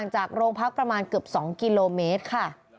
จากโรงพักประมาณเกือบ๒กิโลเมตรค่ะ